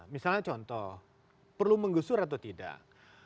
misalnya contoh perlu menggusur atau tidak